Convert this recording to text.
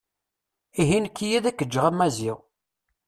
Ihi nekki ad ak-ǧǧeɣ a Maziɣ.